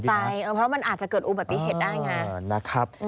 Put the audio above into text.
เพราะมันอาจจะเกิดอุบัติเหตุได้ไงนะครับ